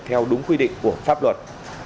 theo đúng quy định của pháp luật